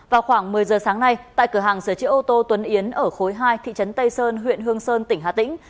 vào khoảng một mươi giờ sáng nay tại cửa hàng sửa chữa ô tô tuấn yến ở khối hai thị trấn tây sơn huyện hương sơn tỉnh hà tĩnh